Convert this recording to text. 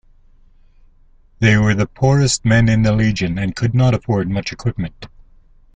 They were the poorest men in the legion, and could not afford much equipment.